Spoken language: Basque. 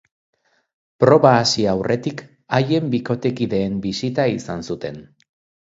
Proba hasi aurretik haien bikotekideen bisita izan zuten.